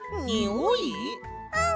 うん。